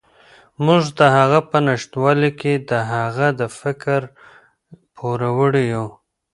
موږ د هغه په نشتوالي کې د هغه د فکر پوروړي یو.